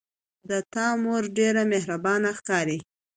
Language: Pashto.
د تا مور ډیره مهربانه ښکاري